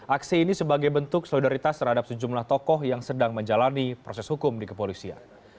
aksi ini sebagai bentuk solidaritas terhadap sejumlah tokoh yang sedang menjalani proses hukum di kepolisian